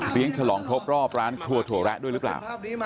เลี้ยงฉลองทบรอบร้านครัวโถระด้วยรึเปล่า